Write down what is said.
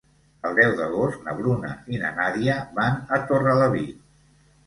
El deu d'agost na Bruna i na Nàdia van a Torrelavit.